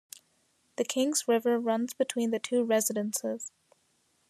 The Kings River runs between the two residences.